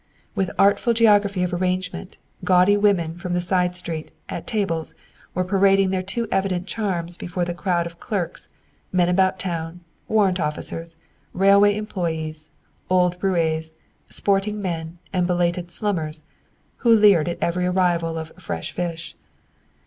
With artful geography of arrangement, gaudy women from the side street, at tables, were parading their too evident charms before the crowd of clerks, men about town, warrant officers, railroad employees, old roués, sporting men and belated "slummers" who leered at every arrival of "fresh fish."